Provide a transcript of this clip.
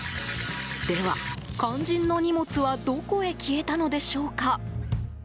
では、肝心の荷物はどこへ消えたのでしょうか。